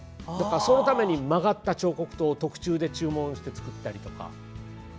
そのために曲がった彫刻刀を特注で注文して作ったりとか。